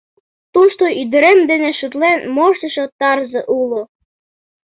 Тушто ӱдырем дене шотлен моштышо тарзе уло.